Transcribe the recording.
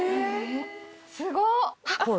すごっ！